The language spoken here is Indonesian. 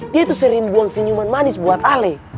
dia tuh sering buang senyuman manis buat ali